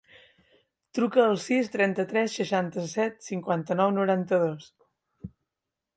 Truca al sis, trenta-tres, seixanta-set, cinquanta-nou, noranta-dos.